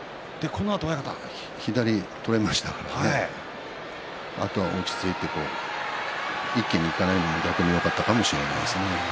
左を取れましたから、あとは落ち着いて一気にいかないのが逆によかったかもしれません。